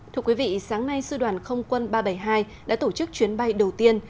thưa quý vị sáng nay sư đoàn không quân ba trăm bảy mươi hai đã tổ chức chuyến bay đầu tiên